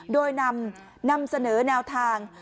โดยนำเสนอแนวทาง